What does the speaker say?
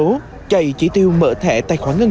áp lực doanh số chày chỉ tiêu mở thẻ tài khoản ngân hàng